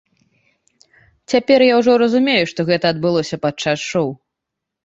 Цяпер я ўжо разумею, што гэта адбылося падчас шоў.